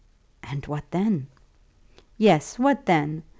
"And what then?" "Yes; what then?